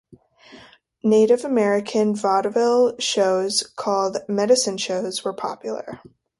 Native American vaudeville shows, called "medicine shows", were popular.